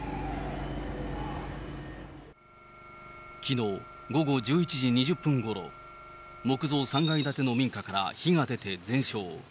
きのう午後１１時２０分ごろ、木造３階建の民家から火が出て全焼。